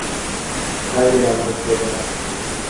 হায় আমার খোদা!